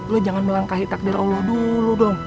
lo jangan melangkahi takdir allah dulu dong